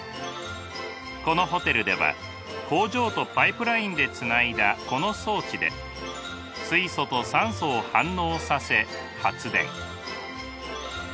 このホテルでは工場とパイプラインでつないだこの装置で水素と酸素を反応させ発電。